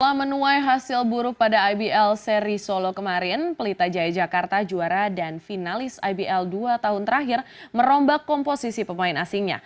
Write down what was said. setelah menuai hasil buruk pada ibl seri solo kemarin pelita jaya jakarta juara dan finalis ibl dua tahun terakhir merombak komposisi pemain asingnya